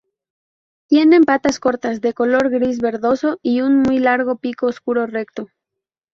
Tienen patas cortas, de color gris verdoso y un muy largo pico oscuro recto.